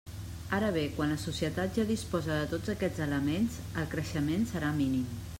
Ara bé, quan la societat ja disposa de tots aquests elements, el creixement serà mínim.